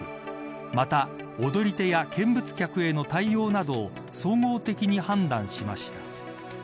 また、踊り手や見物客への対応などを総合的に判断しました。